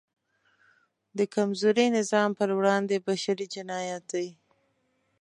د کمزوري نظام پر وړاندې بشری جنایت دی.